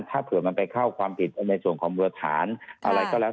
ถ้าเผื่อมันไปเข้าความผิดในส่วนของบรรฐานอะไรก็แล้ว